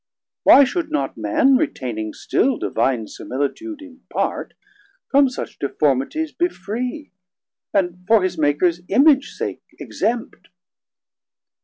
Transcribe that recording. Why should not Man, Retaining still Divine similitude In part, from such deformities be free, 510 And for his Makers Image sake exempt?